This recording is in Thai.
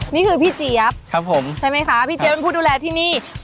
นี่คือพี่เจี๊ยบครับผมใช่ไหมคะพี่เจี๊ยเป็นผู้ดูแลที่นี่